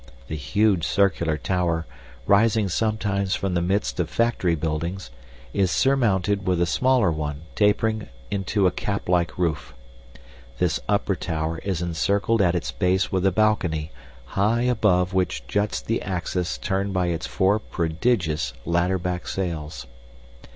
The huge circular tower, rising sometimes from the midst of factory buildings, is surmounted with a smaller one tapering into a caplike roof. This upper tower is encircled at its base with a balcony, high above which juts the axis turned by its four prodigious ladder back sails.